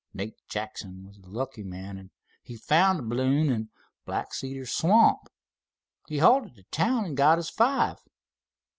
"Nate Jackson was th' lucky man, an' he found th' balloon in Black Cedar swamp. He hauled it t' town an' got his five.